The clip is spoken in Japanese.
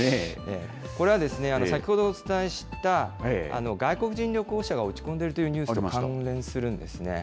これはですね、先ほどお伝えした外国人旅行者が落ち込んでるというニュースとも関連するんですね。